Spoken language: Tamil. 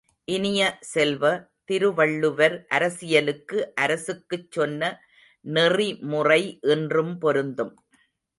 இனிய செல்வ, திருவள்ளுவர் அரசியலுக்கு அரசுக்குச் சொன்ன நெறிமுறை இன்றும் பொருந்தும்.